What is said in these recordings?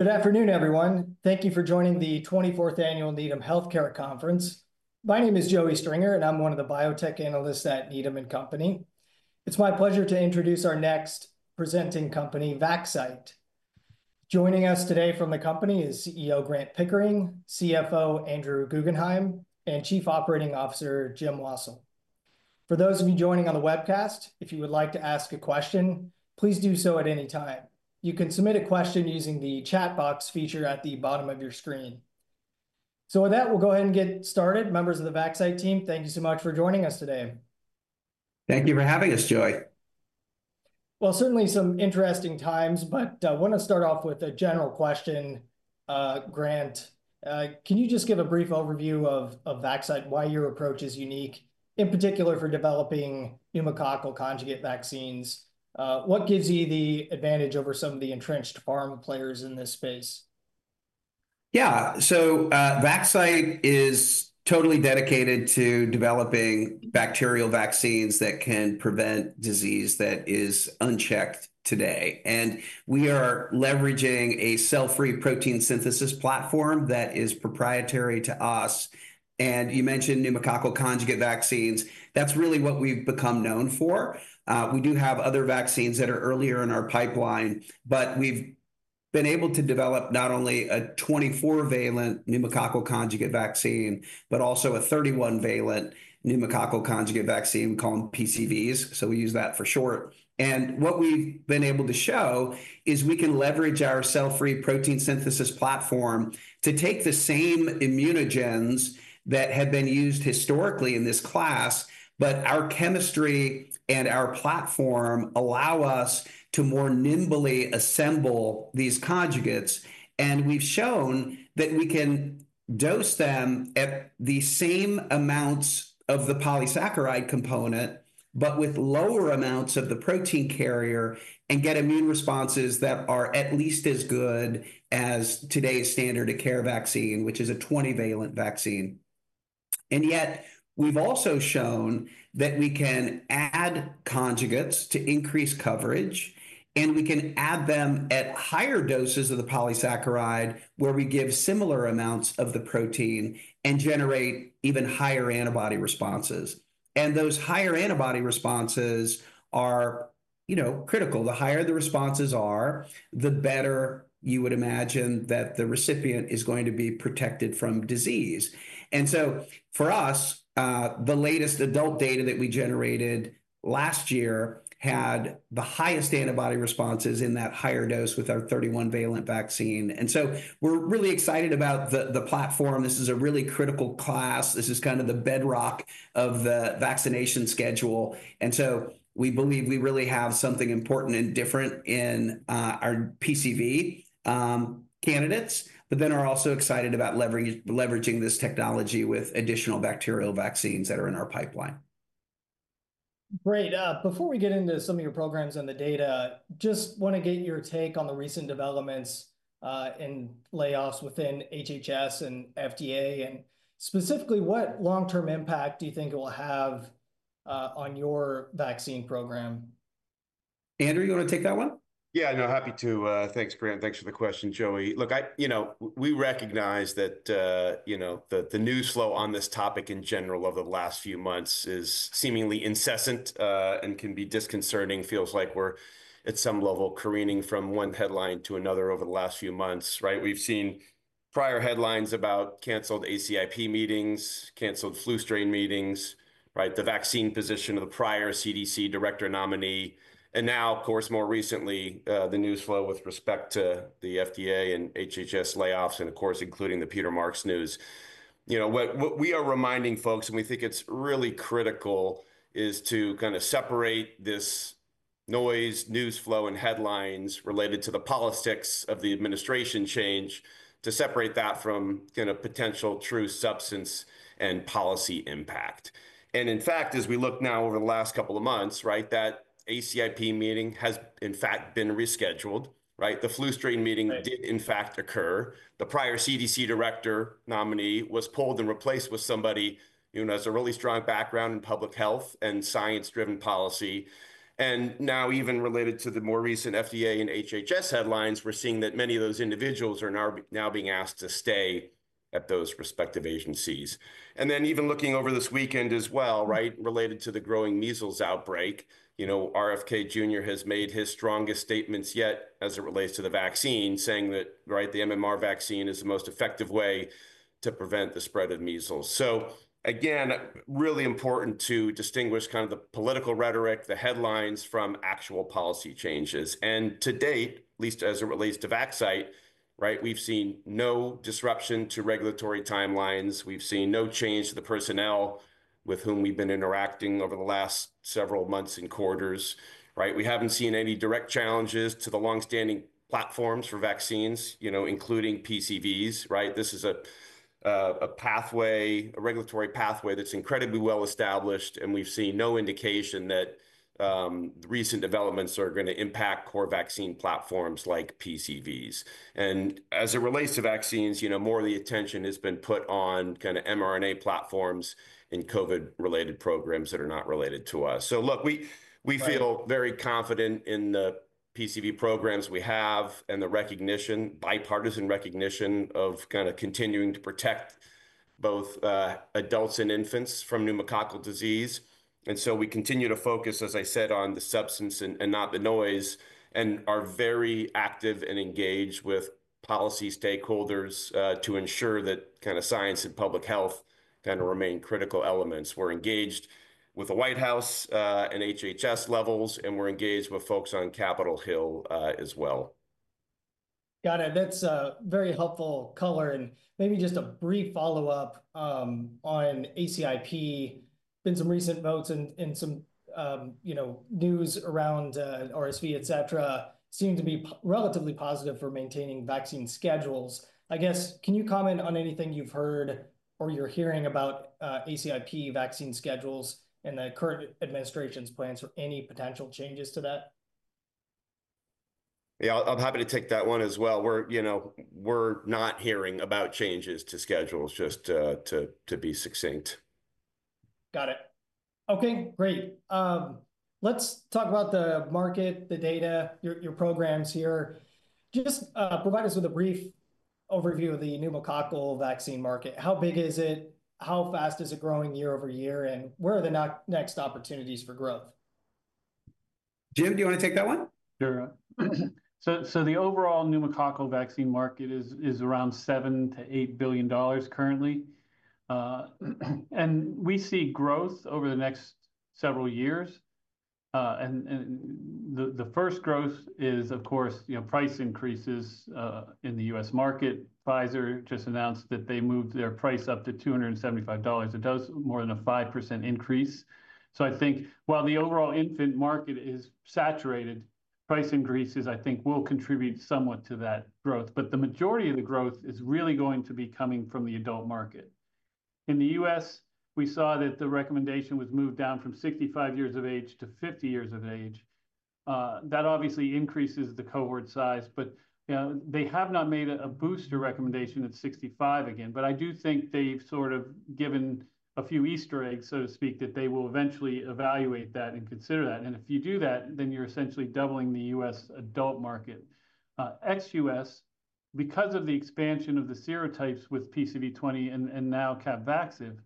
Good afternoon, everyone. Thank you for joining the 24th Annual Needham Healthcare Conference. My name is Joseph Stringer, and I'm one of the biotech analysts at Needham & Company. It's my pleasure to introduce our next presenting company, Vaxcyte. Joining us today from the company is CEO Grant Pickering, CFO Andrew Guggenhime, and Chief Operating Officer Jim Wassil. For those of you joining on the webcast, if you would like to ask a question, please do so at any time. You can submit a question using the chat box feature at the bottom of your screen. With that, we'll go ahead and get started. Members of the Vaxcyte team, thank you so much for joining us today. Thank you for having us, Joey. Certainly some interesting times, but I want to start off with a general question, Grant. Can you just give a brief overview of Vaxcyte, why your approach is unique, in particular for developing pneumococcal conjugate vaccines? What gives you the advantage over some of the entrenched pharma players in this space? Yeah, so Vaxcyte is totally dedicated to developing bacterial vaccines that can prevent disease that is unchecked today. We are leveraging a cell-free protein synthesis platform that is proprietary to us. You mentioned pneumococcal conjugate vaccines. That's really what we've become known for. We do have other vaccines that are earlier in our pipeline, but we've been able to develop not only a 24-valent pneumococcal conjugate vaccine, but also a 31-valent pneumococcal conjugate vaccine. We call them PCVs, so we use that for short. What we've been able to show is we can leverage our cell-free protein synthesis platform to take the same immunogens that have been used historically in this class, but our chemistry and our platform allow us to more nimbly assemble these conjugates. We have shown that we can dose them at the same amounts of the polysaccharide component, but with lower amounts of the protein carrier and get immune responses that are at least as good as today's standard of care vaccine, which is a 20-valent vaccine. Yet, we have also shown that we can add conjugates to increase coverage, and we can add them at higher doses of the polysaccharide where we give similar amounts of the protein and generate even higher antibody responses. Those higher antibody responses are, you know, critical. The higher the responses are, the better you would imagine that the recipient is going to be protected from disease. For us, the latest adult data that we generated last year had the highest antibody responses in that higher dose with our 31-valent vaccine. We are really excited about the platform. This is a really critical class. This is kind of the bedrock of the vaccination schedule. We believe we really have something important and different in our PCV candidates, but then are also excited about leveraging this technology with additional bacterial vaccines that are in our pipeline. Great. Before we get into some of your programs and the data, just want to get your take on the recent developments and layoffs within HHS and FDA, and specifically what long-term impact do you think it will have on your vaccine program? Andrew, you want to take that one? Yeah, no, happy to. Thanks, Grant. Thanks for the question, Joseph. Look, I, you know, we recognize that, you know, the news flow on this topic in general over the last few months is seemingly incessant and can be disconcerting. Feels like we're, at some level, careening from one headline to another over the last few months, right? We've seen prior headlines about canceled ACIP meetings, canceled flu strain meetings, right? The vaccine position of the prior CDC director nominee. And now, of course, more recently, the news flow with respect to the FDA and HHS layoffs, and of course, including the Peter Marks news. You know, what we are reminding folks, and we think it's really critical, is to kind of separate this noise, news flow, and headlines related to the politics of the administration change to separate that from, you know, potential true substance and policy impact. In fact, as we look now over the last couple of months, right, that ACIP meeting has in fact been rescheduled, right? The flu strain meeting did in fact occur. The prior CDC director nominee was pulled and replaced with somebody who has a really strong background in public health and science-driven policy. Now, even related to the more recent FDA and HHS headlines, we're seeing that many of those individuals are now being asked to stay at those respective agencies. Even looking over this weekend as well, right, related to the growing measles outbreak, you know, RFK Jr. has made his strongest statements yet as it relates to the vaccine, saying that, right, the MMR vaccine is the most effective way to prevent the spread of measles. Again, really important to distinguish kind of the political rhetoric, the headlines from actual policy changes. To date, at least as it relates to Vaxcyte, right, we've seen no disruption to regulatory timelines. We've seen no change to the personnel with whom we've been interacting over the last several months and quarters, right? We haven't seen any direct challenges to the longstanding platforms for vaccines, you know, including PCVs, right? This is a pathway, a regulatory pathway that's incredibly well established, and we've seen no indication that recent developments are going to impact core vaccine platforms like PCVs. As it relates to vaccines, you know, more of the attention has been put on kind of mRNA platforms and COVID-related programs that are not related to us. Look, we feel very confident in the PCV programs we have and the recognition, bipartisan recognition of kind of continuing to protect both adults and infants from pneumococcal disease. We continue to focus, as I said, on the substance and not the noise, and are very active and engaged with policy stakeholders to ensure that kind of science and public health kind of remain critical elements. We're engaged with the White House and HHS levels, and we're engaged with folks on Capitol Hill as well. Got it. That's very helpful color. Maybe just a brief follow-up on ACIP. Been some recent votes and some, you know, news around RSV, et cetera, seem to be relatively positive for maintaining vaccine schedules. I guess, can you comment on anything you've heard or you're hearing about ACIP vaccine schedules and the current administration's plans for any potential changes to that? Yeah, I'm happy to take that one as well. We're, you know, we're not hearing about changes to schedules, just to be succinct. Got it. Okay, great. Let's talk about the market, the data, your programs here. Just provide us with a brief overview of the pneumococcal vaccine market. How big is it? How fast is it growing year over year? Where are the next opportunities for growth? Jim, do you want to take that one? Sure. The overall pneumococcal vaccine market is around $7 billion-$8 billion currently. We see growth over the next several years. The first growth is, of course, you know, price increases in the U.S. market. Pfizer just announced that they moved their price up to $275. It is more than a 5% increase. I think while the overall infant market is saturated, price increases, I think, will contribute somewhat to that growth. The majority of the growth is really going to be coming from the adult market. In the U.S., we saw that the recommendation was moved down from 65 years of age to 50 years of age. That obviously increases the cohort size, but they have not made a booster recommendation at 65 again. I do think they've sort of given a few Easter eggs, so to speak, that they will eventually evaluate that and consider that. If you do that, then you're essentially doubling the U.S. adult market. Ex-U.S., because of the expansion of the serotypes with PCV20 and now Capvaxive,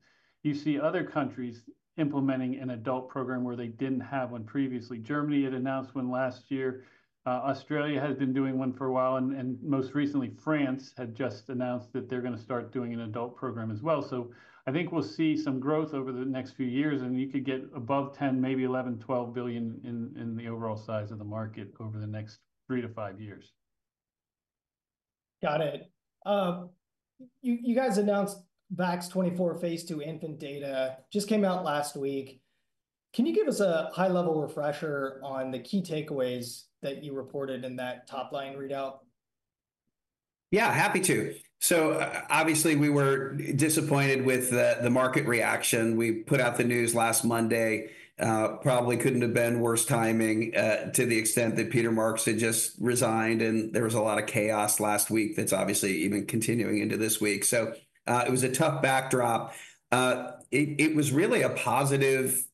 you see other countries implementing an adult program where they didn't have one previously. Germany had announced one last year. Australia had been doing one for a while, and most recently, France had just announced that they're going to start doing an adult program as well. I think we'll see some growth over the next few years, and you could get above $10 billion, maybe $11 billion, $12 billion in the overall size of the market over the next three to five years. Got it. You guys announced VAX-24 phase II infant data. Just came out last week. Can you give us a high-level refresher on the key takeaways that you reported in that top-line readout? Yeah, happy to. Obviously, we were disappointed with the market reaction. We put out the news last Monday. Probably could not have been worse timing to the extent that Peter Marks had just resigned, and there was a lot of chaos last week that is obviously even continuing into this week. It was a tough backdrop. It was really a positive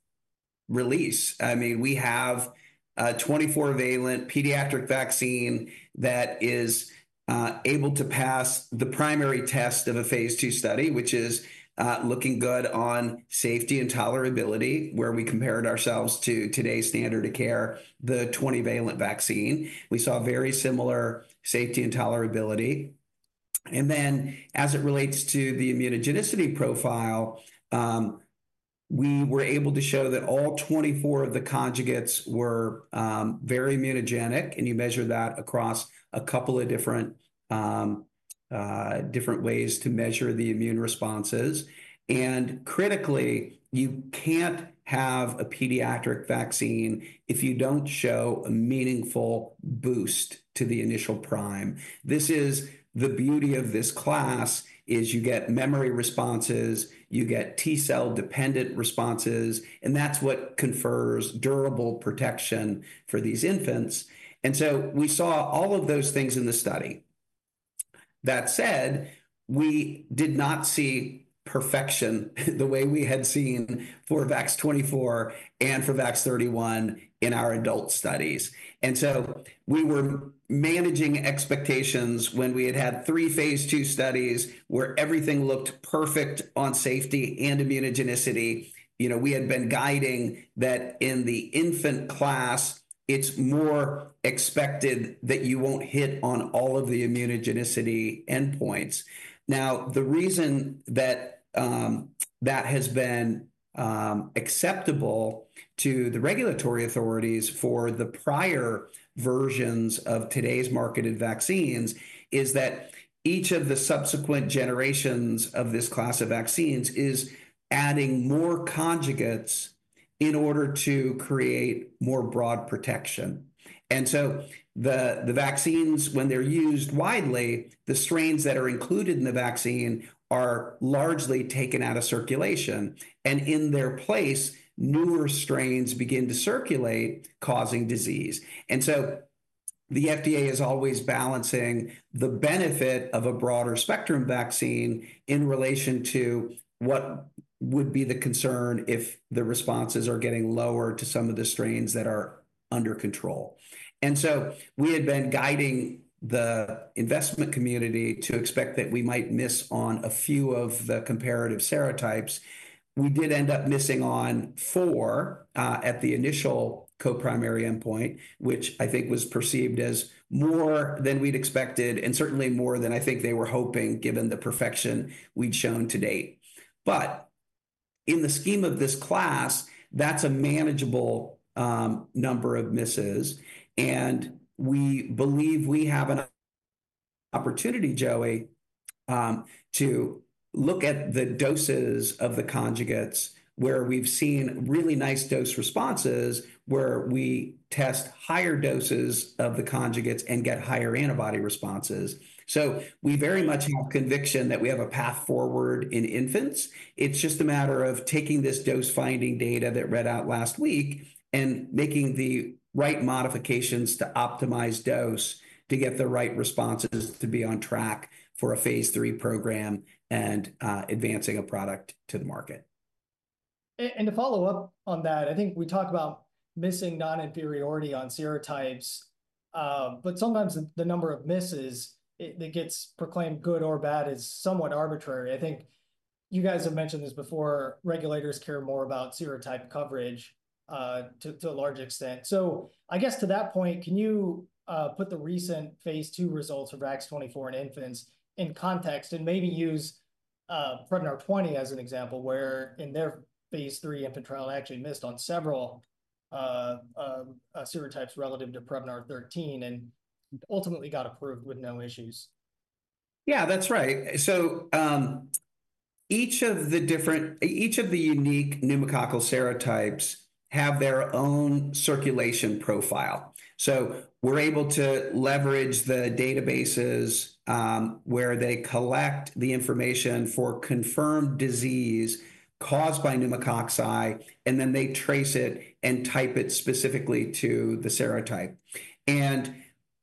release. I mean, we have a 24-valent pediatric vaccine that is able to pass the primary test of a phase II study, which is looking good on safety and tolerability, where we compared ourselves to today's standard of care, the 20-valent vaccine. We saw very similar safety and tolerability. As it relates to the immunogenicity profile, we were able to show that all 24 of the conjugates were very immunogenic, and you measure that across a couple of different ways to measure the immune responses. Critically, you can't have a pediatric vaccine if you don't show a meaningful boost to the initial prime. This is the beauty of this class, is you get memory responses, you get T-cell dependent responses, and that's what confers durable protection for these infants. We saw all of those things in the study. That said, we did not see perfection the way we had seen for VAX-24 and for VAX-31 in our adult studies. We were managing expectations when we had had three phase two studies where everything looked perfect on safety and immunogenicity. You know, we had been guiding that in the infant class, it's more expected that you won't hit on all of the immunogenicity endpoints. Now, the reason that that has been acceptable to the regulatory authorities for the prior versions of today's marketed vaccines is that each of the subsequent generations of this class of vaccines is adding more conjugates in order to create more broad protection. The vaccines, when they're used widely, the strains that are included in the vaccine are largely taken out of circulation, and in their place, newer strains begin to circulate, causing disease. The FDA is always balancing the benefit of a broader spectrum vaccine in relation to what would be the concern if the responses are getting lower to some of the strains that are under control. We had been guiding the investment community to expect that we might miss on a few of the comparative serotypes. We did end up missing on four at the initial co-primary endpoint, which I think was perceived as more than we'd expected and certainly more than I think they were hoping, given the perfection we'd shown to date. In the scheme of this class, that's a manageable number of misses. We believe we have an opportunity, Joseph, to look at the doses of the conjugates where we've seen really nice dose responses, where we test higher doses of the conjugates and get higher antibody responses. We very much have conviction that we have a path forward in infants. It's just a matter of taking this dose-finding data that read out last week and making the right modifications to optimize dose to get the right responses to be on track for a phase III program and advancing a product to the market. To follow up on that, I think we talked about missing non-inferiority on serotypes, but sometimes the number of misses that gets proclaimed good or bad is somewhat arbitrary. I think you guys have mentioned this before. Regulators care more about serotype coverage to a large extent. I guess to that point, can you put the recent phase two results of VAX-24 in infants in context and maybe use Prevnar 20 as an example, where in their phase III infant trial, it actually missed on several serotypes relative to Prevnar 13 and ultimately got approved with no issues? Yeah, that's right. Each of the different, each of the unique pneumococcal serotypes have their own circulation profile. We're able to leverage the databases where they collect the information for confirmed disease caused by pneumococci, and then they trace it and type it specifically to the serotype.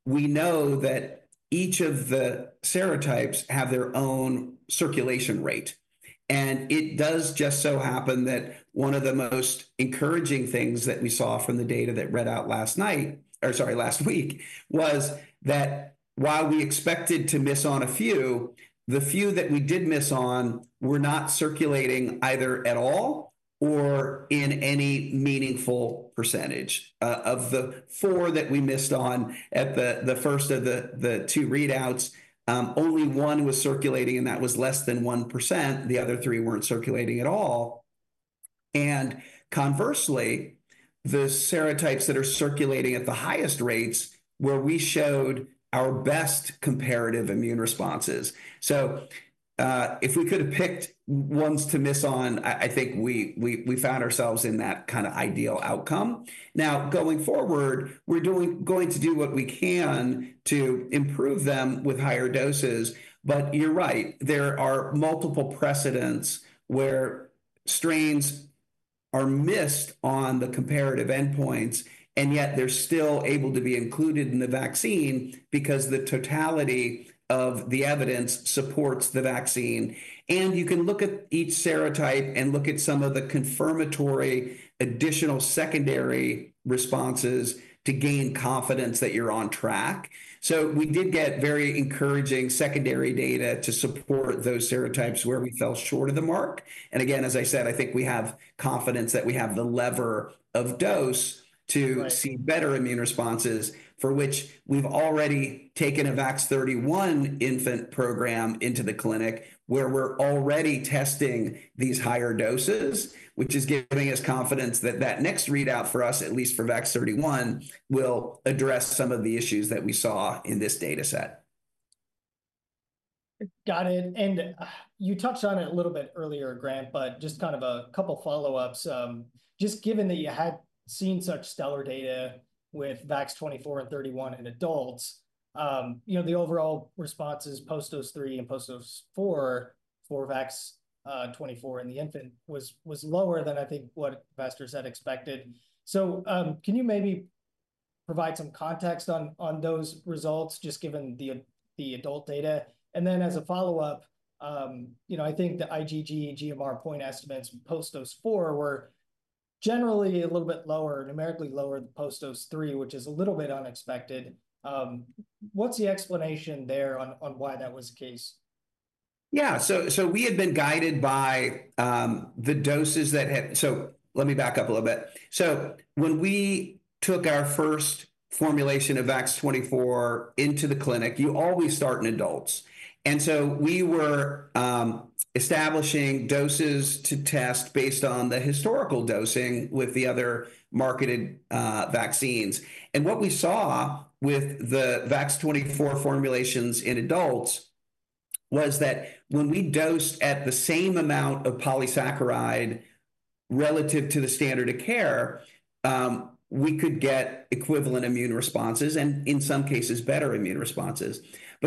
We know that each of the serotypes have their own circulation rate. It does just so happen that one of the most encouraging things that we saw from the data that read out last night, or sorry, last week, was that while we expected to miss on a few, the few that we did miss on were not circulating either at all or in any meaningful percentage. Of the four that we missed on at the first of the two readouts, only one was circulating, and that was less than 1%. The other three weren't circulating at all. Conversely, the serotypes that are circulating at the highest rates were we showed our best comparative immune responses. If we could have picked ones to miss on, I think we found ourselves in that kind of ideal outcome. Now, going forward, we're going to do what we can to improve them with higher doses. You're right, there are multiple precedents where strains are missed on the comparative endpoints, and yet they're still able to be included in the vaccine because the totality of the evidence supports the vaccine. You can look at each serotype and look at some of the confirmatory additional secondary responses to gain confidence that you're on track. We did get very encouraging secondary data to support those serotypes where we fell short of the mark. As I said, I think we have confidence that we have the lever of dose to see better immune responses, for which we've already taken a VAX-31 infant program into the clinic where we're already testing these higher doses, which is giving us confidence that that next readout for us, at least for VAX-31, will address some of the issues that we saw in this dataset. Got it. You touched on it a little bit earlier, Grant, but just kind of a couple of follow-ups. Just given that you had seen such stellar data with VAX-24 and VAX-31 in adults, you know, the overall responses post dose three and post dose four for VAX-24 in the infant was lower than I think what Vaxcyte had expected. Can you maybe provide some context on those results, just given the adult data? As a follow-up, you know, I think the IgG, GMR point estimates post dose four were generally a little bit lower, numerically lower than post dose three, which is a little bit unexpected. What is the explanation there on why that was the case? Yeah, we had been guided by the doses that had, let me back up a little bit. When we took our first formulation of VAX-24 into the clinic, you always start in adults. We were establishing doses to test based on the historical dosing with the other marketed vaccines. What we saw with the VAX-24 formulations in adults was that when we dosed at the same amount of polysaccharide relative to the standard of care, we could get equivalent immune responses and in some cases, better immune responses.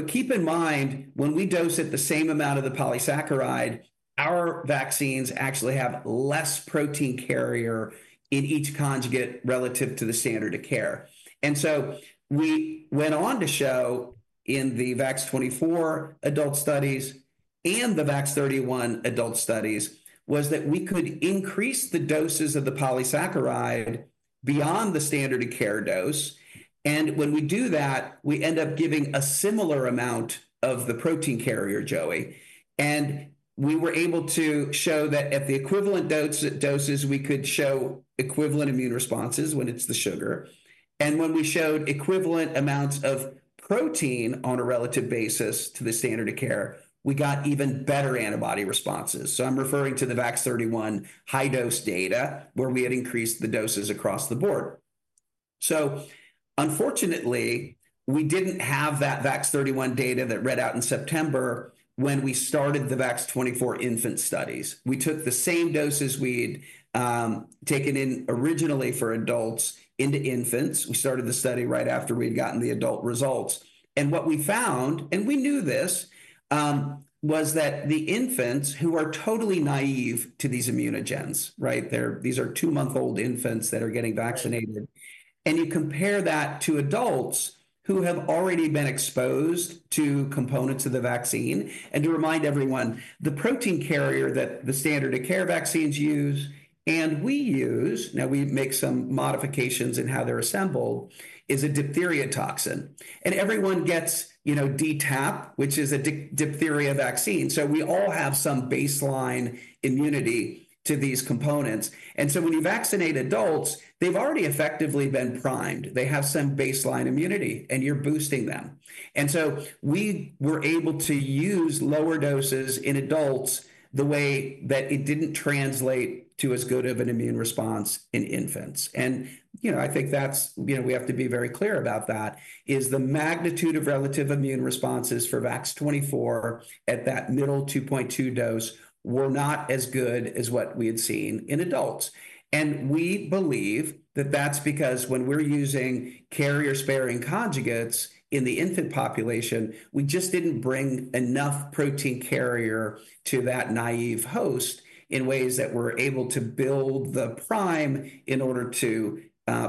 Keep in mind, when we dose at the same amount of the polysaccharide, our vaccines actually have less protein carrier in each conjugate relative to the standard of care. We went on to show in the VAX-24 adult studies and the VAX-31 adult studies that we could increase the doses of the polysaccharide beyond the standard of care dose. When we do that, we end up giving a similar amount of the protein carrier, Joey. We were able to show that at the equivalent doses, we could show equivalent immune responses when it is the sugar. When we showed equivalent amounts of protein on a relative basis to the standard of care, we got even better antibody responses. I am referring to the VAX-31 high-dose data where we had increased the doses across the board. Unfortunately, we did not have that VAX-31 data that read out in September when we started the VAX-24 infant studies. We took the same doses we had taken in originally for adults into infants. We started the study right after we'd gotten the adult results. What we found, and we knew this, was that the infants who are totally naive to these immunogens, right? These are two-month-old infants that are getting vaccinated. You compare that to adults who have already been exposed to components of the vaccine. To remind everyone, the protein carrier that the standard of care vaccines use and we use, now we make some modifications in how they're assembled, is a diphtheria toxin. Everyone gets, you know, DTaP, which is a diphtheria vaccine. We all have some baseline immunity to these components. When you vaccinate adults, they've already effectively been primed. They have some baseline immunity, and you're boosting them. We were able to use lower doses in adults the way that it did not translate to as good of an immune response in infants. You know, I think that is, you know, we have to be very clear about that, the magnitude of relative immune responses for VAX-24 at that middle 2.2 dose were not as good as what we had seen in adults. We believe that is because when we are using carrier-sparing conjugates in the infant population, we just did not bring enough protein carrier to that naive host in ways that we are able to build the prime in order to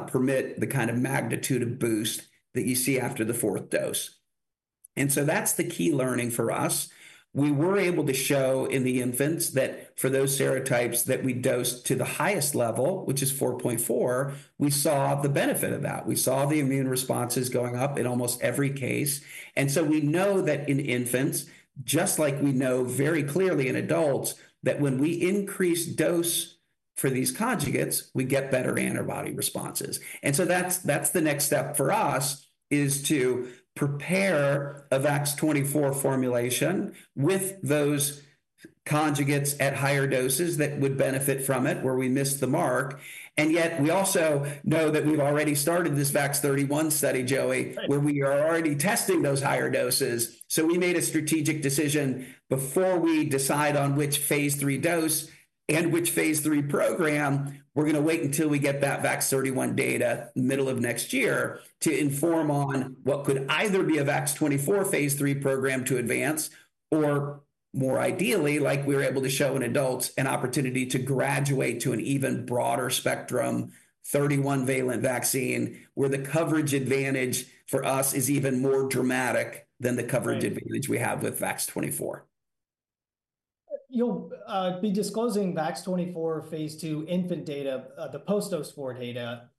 permit the kind of magnitude of boost that you see after the fourth dose. That is the key learning for us. We were able to show in the infants that for those serotypes that we dosed to the highest level, which is 4.4, we saw the benefit of that. We saw the immune responses going up in almost every case. We know that in infants, just like we know very clearly in adults, that when we increase dose for these conjugates, we get better antibody responses. That is the next step for us, to prepare a VAX-24 formulation with those conjugates at higher doses that would benefit from it where we missed the mark. We also know that we have already started this VAX-31 study, Joseph, where we are already testing those higher doses. We made a strategic decision before we decide on which phase three dose and which phase III program. We're going to wait until we get that VAX-31 data middle of next year to inform on what could either be a VAX-24 phase III program to advance or more ideally, like we were able to show in adults, an opportunity to graduate to an even broader spectrum 31 valent vaccine where the coverage advantage for us is even more dramatic than the coverage advantage we have with VAX-24. You'll be disclosing VAX-24 phase II infant data, the post dose four data,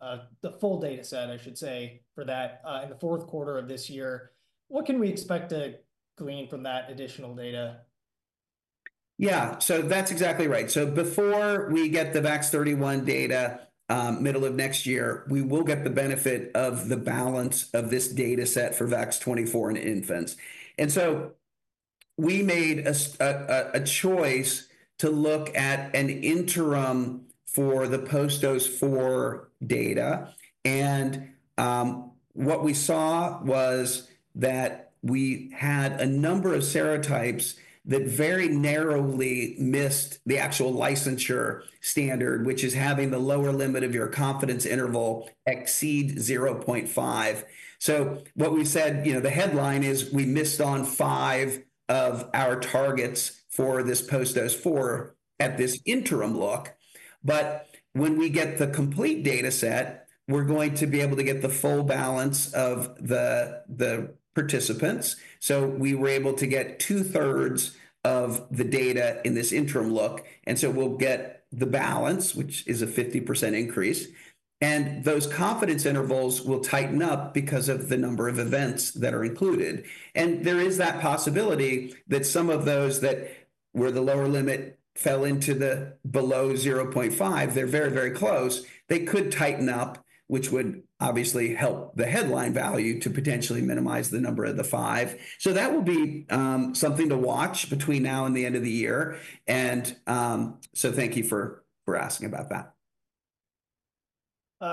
the full dataset, I should say, for that in the fourth quarter of this year. What can we expect to glean from that additional data? Yeah, so that's exactly right. Before we get the VAX-31 data middle of next year, we will get the benefit of the balance of this dataset for VAX-24 in infants. We made a choice to look at an interim for the post dose four data. What we saw was that we had a number of serotypes that very narrowly missed the actual licensure standard, which is having the lower limit of your confidence interval exceed 0.5. What we said, you know, the headline is we missed on five of our targets for this post dose four at this interim look. When we get the complete dataset, we're going to be able to get the full balance of the participants. We were able to get two-thirds of the data in this interim look. We'll get the balance, which is a 50% increase. Those confidence intervals will tighten up because of the number of events that are included. There is that possibility that some of those where the lower limit fell into the below 0.5, they're very, very close. They could tighten up, which would obviously help the headline value to potentially minimize the number of the five. That will be something to watch between now and the end of the year. Thank you for asking about that.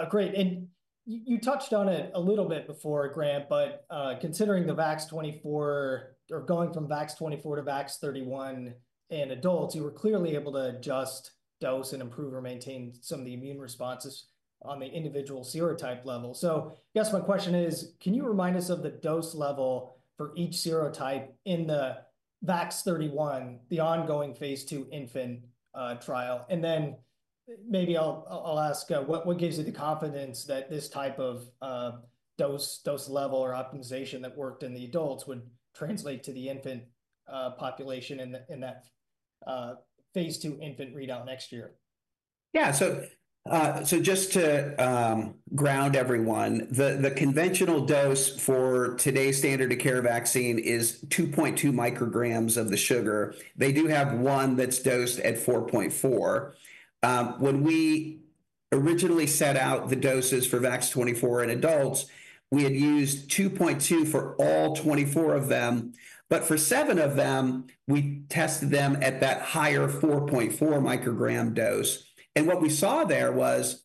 Great. You touched on it a little bit before, Grant, but considering the VAX-24 or going from VAX-24 to VAX-31 in adults, you were clearly able to adjust dose and improve or maintain some of the immune responses on the individual serotype level. I guess my question is, can you remind us of the dose level for each serotype in the VAX-31, the ongoing phase II infant trial? Maybe I'll ask, what gives you the confidence that this type of dose level or optimization that worked in the adults would translate to the infant population in that phase II infant readout next year? Yeah, so just to ground everyone, the conventional dose for today's standard of care vaccine is 2.2 mcg of the sugar. They do have one that's dosed at 4.4 mcg. When we originally set out the doses for VAX-24 in adults, we had used 2.2 mcg for all 24 of them. For seven of them, we tested them at that higher 4.4 mcg dose. What we saw there was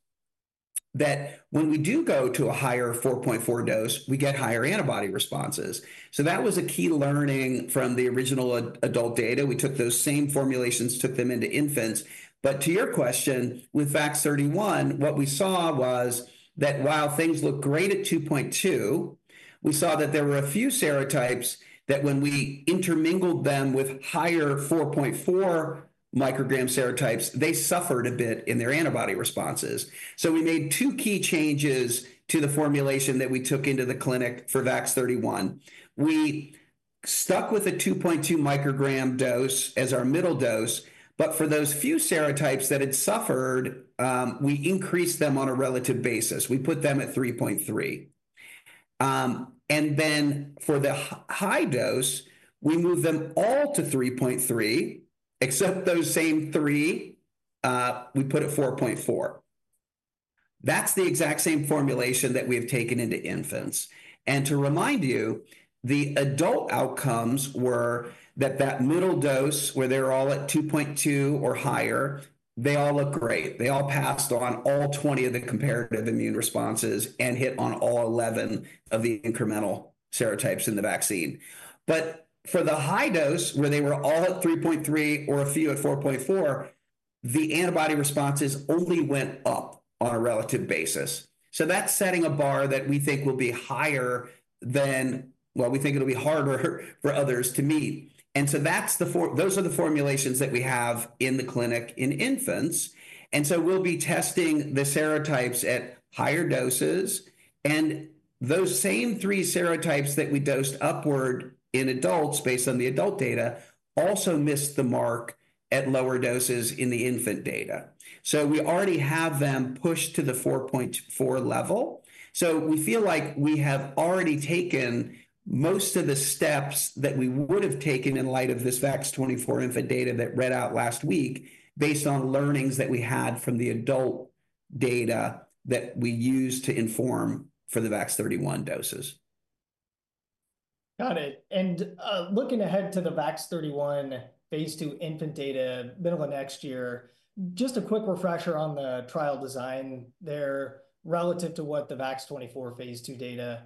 that when we do go to a higher 4.4 mcg dose, we get higher antibody responses. That was a key learning from the original adult data. We took those same formulations, took them into infants. To your question, with VAX-31, what we saw was that while things look great at 2.2 mcg, we saw that there were a few serotypes that when we intermingled them with higher 4.4 mcg serotypes, they suffered a bit in their antibody responses. We made two key changes to the formulation that we took into the clinic for VAX-31. We stuck with a 2.2 mcg dose as our middle dose. For those few serotypes that had suffered, we increased them on a relative basis. We put them at 3.3 mcg. For the high dose, we moved them all to 3.3 mcg, except those same three, we put at 4.4 mcg. That is the exact same formulation that we have taken into infants. To remind you, the adult outcomes were that that middle dose where they are all at 2.2 mcg or higher, they all look great. They all passed on all 20 of the comparative immune responses and hit on all 11 of the incremental serotypes in the vaccine. For the high dose where they were all at 3.3 mcg or a few at 4.4 mcg, the antibody responses only went up on a relative basis. That is setting a bar that we think will be higher than, well, we think it will be harder for others to meet. That is the, those are the formulations that we have in the clinic in infants. We will be testing the serotypes at higher doses. Those same three serotypes that we dosed upward in adults based on the adult data also missed the mark at lower doses in the infant data. We already have them pushed to the 4.4 mcg level. We feel like we have already taken most of the steps that we would have taken in light of this VAX-24 infant data that read out last week based on learnings that we had from the adult data that we used to inform for the VAX-31 doses. Got it. Looking ahead to the VAX-31 phase II infant data middle of next year, just a quick refresher on the trial design there relative to what the VAX-24 phase II data,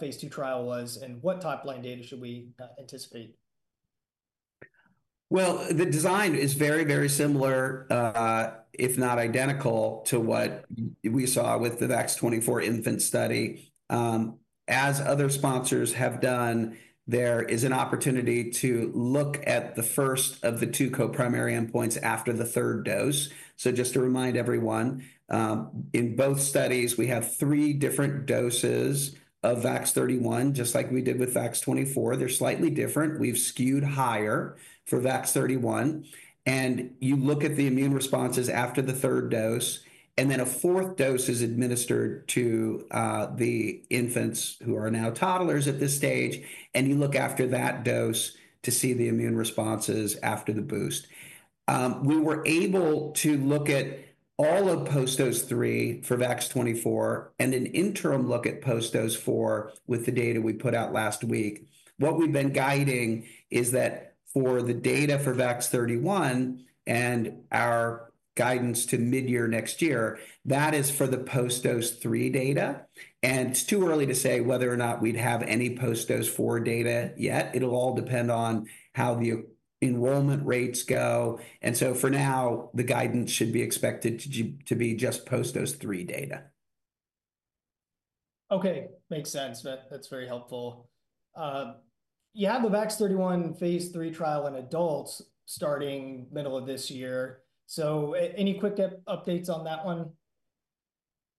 phase II trial was, and what top line data should we anticipate? The design is very, very similar, if not identical, to what we saw with the VAX-24 infant study. As other sponsors have done, there is an opportunity to look at the first of the two co-primary endpoints after the third dose. Just to remind everyone, in both studies, we have three different doses of VAX-31, just like we did with VAX-24. They are slightly different. We have skewed higher for VAX-31. You look at the immune responses after the third dose, and then a fourth dose is administered to the infants who are now toddlers at this stage. You look after that dose to see the immune responses after the boost. We were able to look at all of post dose three for VAX-24 and an interim look at post dose four with the data we put out last week. What we've been guiding is that for the data for VAX-31 and our guidance to mid-year next year, that is for the post dose three data. It is too early to say whether or not we'd have any post dose four data yet. It will all depend on how the enrollment rates go. For now, the guidance should be expected to be just post dose three data. Okay. Makes sense. That's very helpful. You have the VAX-31 phase III trial in adults starting middle of this year. Any quick updates on that one?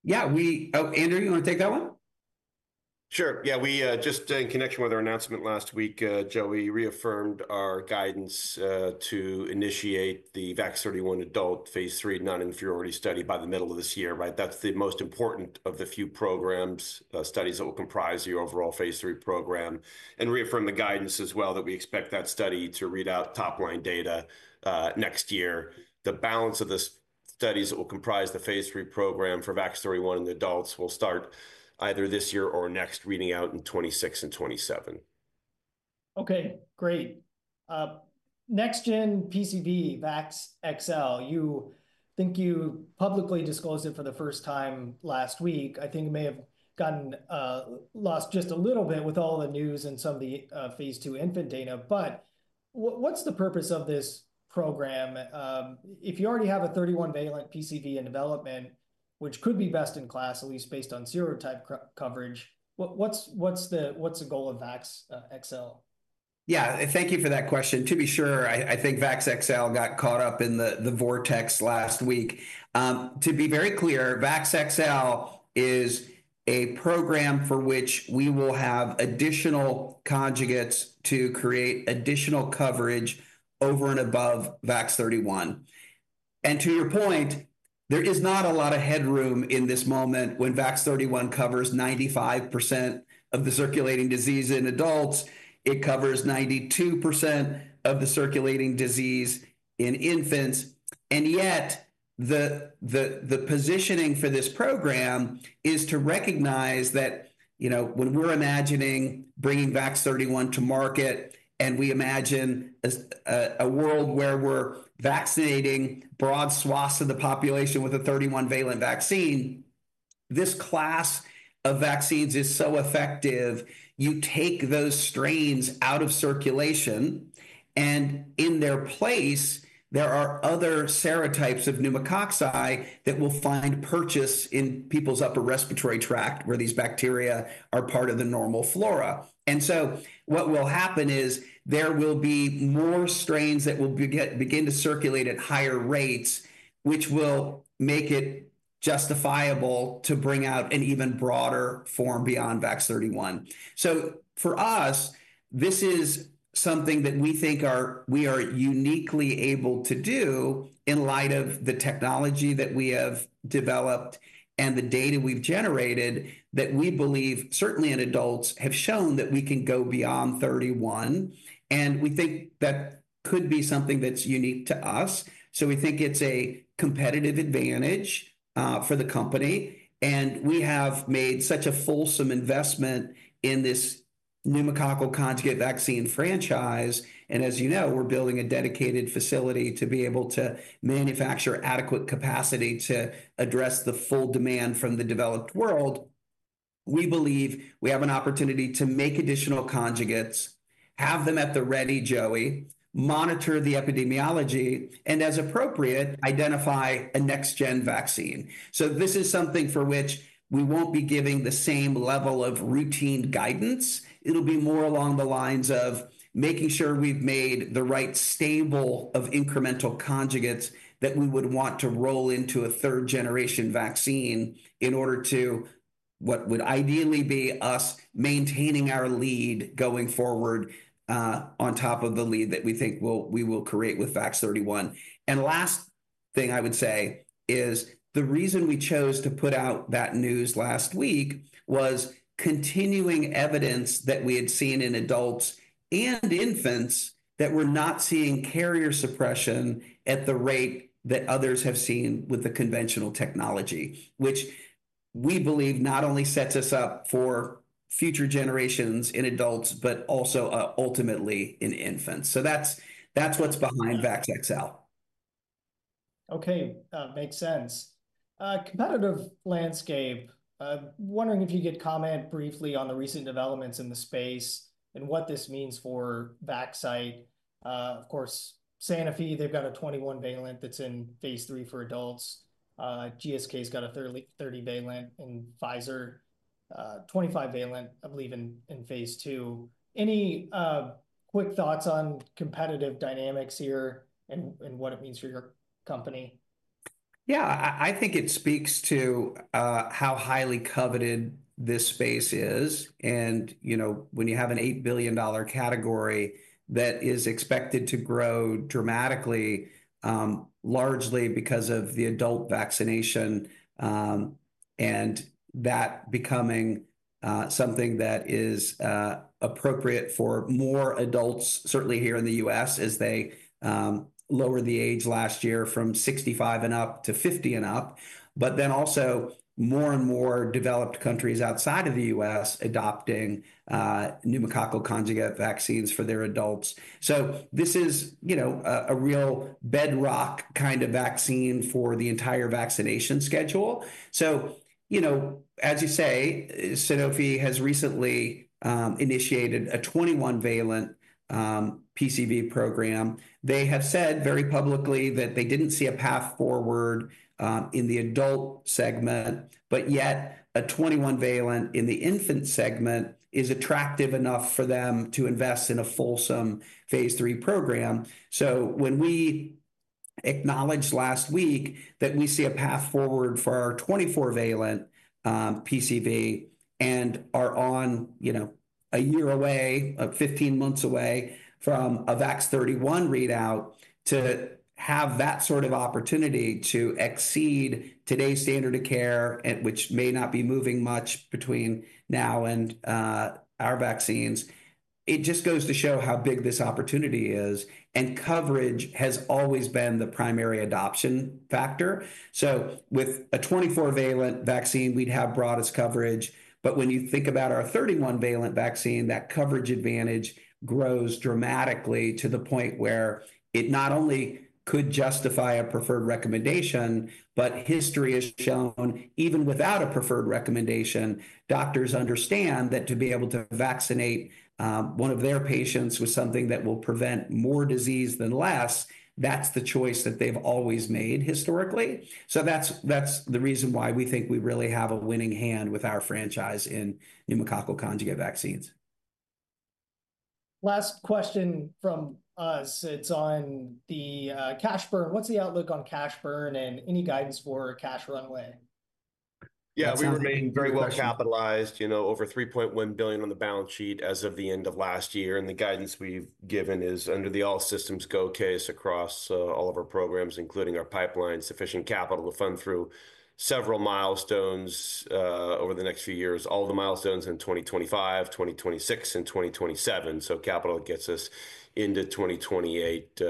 Yeah. We, oh, Andrew, you want to take that one? Sure. Yeah. We just in connection with our announcement last week, Joseph reaffirmed our guidance to initiate the VAX-31 adult phase III non-inferiority study by the middle of this year, right? That's the most important of the few programs, studies that will comprise your overall phase III program. Reaffirm the guidance as well that we expect that study to read out top line data next year. The balance of the studies that will comprise the phase III program for VAX-31 in the adults will start either this year or next reading out in 2026 and 2027. Okay. Great. NextGen PCV VAX-XL, you think you publicly disclosed it for the first time last week. I think it may have gotten lost just a little bit with all the news and some of the phase two infant data. What is the purpose of this program? If you already have a 31-valent PCV in development, which could be best in class, at least based on serotype coverage, what is the goal of VAX-XL? Yeah. Thank you for that question. To be sure, I think VAX-XL got caught up in the vortex last week. To be very clear, VAX-XL is a program for which we will have additional conjugates to create additional coverage over and above VAX-31. To your point, there is not a lot of headroom in this moment when VAX-31 covers 95% of the circulating disease in adults. It covers 92% of the circulating disease in infants. Yet the positioning for this program is to recognize that, you know, when we're imagining bringing VAX-31 to market and we imagine a world where we're vaccinating broad swaths of the population with a 31-valent vaccine, this class of vaccines is so effective. You take those strains out of circulation, and in their place, there are other serotypes of pneumococci that will find purchase in people's upper respiratory tract where these bacteria are part of the normal flora. What will happen is there will be more strains that will begin to circulate at higher rates, which will make it justifiable to bring out an even broader form beyond VAX-31. For us, this is something that we think we are uniquely able to do in light of the technology that we have developed and the data we've generated that we believe certainly in adults have shown that we can go beyond 31. We think that could be something that's unique to us. We think it's a competitive advantage for the company. We have made such a fulsome investment in this pneumococcal conjugate vaccine franchise. As you know, we're building a dedicated facility to be able to manufacture adequate capacity to address the full demand from the developed world. We believe we have an opportunity to make additional conjugates, have them at the ready, Joseph, monitor the epidemiology, and as appropriate, identify a next-gen vaccine. This is something for which we won't be giving the same level of routine guidance. It'll be more along the lines of making sure we've made the right stable of incremental conjugates that we would want to roll into a third-generation vaccine in order to, what would ideally be us maintaining our lead going forward on top of the lead that we think we will create with VAX-31. The last thing I would say is the reason we chose to put out that news last week was continuing evidence that we had seen in adults and infants that we were not seeing carrier suppression at the rate that others have seen with the conventional technology, which we believe not only sets us up for future generations in adults, but also ultimately in infants. That is what is behind VAX-XL. Okay. Makes sense. Competitive landscape, wondering if you could comment briefly on the recent developments in the space and what this means for Vaxcyte. Of course, Sanofi, they've got a 21-valent that's in phase III for adults. GSK's got a 30-valent and Pfizer, 25-valent, I believe, in phase II. Any quick thoughts on competitive dynamics here and what it means for your company? Yeah, I think it speaks to how highly coveted this space is. And, you know, when you have an $8 billion category that is expected to grow dramatically, largely because of the adult vaccination and that becoming something that is appropriate for more adults, certainly here in the U.S., as they lowered the age last year from 65 years and up to 50 years and up, but then also more and more developed countries outside of the U.S. adopting pneumococcal conjugate vaccines for their adults. This is, you know, a real bedrock kind of vaccine for the entire vaccination schedule. You know, as you say, Sanofi has recently initiated a 21-valent PCV program. They have said very publicly that they didn't see a path forward in the adult segment, yet a 21-valent in the infant segment is attractive enough for them to invest in a fulsome phase three program. When we acknowledged last week that we see a path forward for our 24-valent PCV and are, you know, a year away, 15 months away from a VAX-31 readout to have that sort of opportunity to exceed today's standard of care, which may not be moving much between now and our vaccines, it just goes to show how big this opportunity is. Coverage has always been the primary adoption factor. With a 24-valent vaccine, we'd have broadest coverage. When you think about our 31-valent vaccine, that coverage advantage grows dramatically to the point where it not only could justify a preferred recommendation, but history has shown even without a preferred recommendation, doctors understand that to be able to vaccinate one of their patients with something that will prevent more disease than less, that's the choice that they've always made historically. That's the reason why we think we really have a winning hand with our franchise in pneumococcal conjugate vaccines. Last question from us. It's on the cash burn. What's the outlook on cash burn and any guidance for cash runway? Yeah, we remain very well capitalized, you know, over $3.1 billion on the balance sheet as of the end of last year. The guidance we've given is under the all systems go case across all of our programs, including our pipeline, sufficient capital to fund through several milestones over the next few years, all the milestones in 2025, 2026, and 2027. Capital gets us into 2028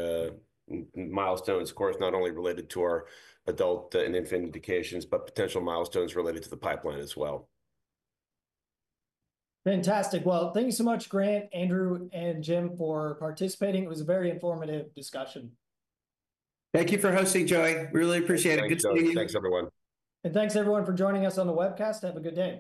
milestones, of course, not only related to our adult and infant indications, but potential milestones related to the pipeline as well. Fantastic. Thank you so much, Grant, Andrew, and Jim for participating. It was a very informative discussion. Thank you for hosting, Joseph. We really appreciate it. Good seeing you. Thanks, everyone. Thanks everyone for joining us on the webcast. Have a good day.